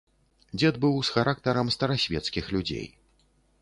Дзед быў з характарам старасвецкіх людзей.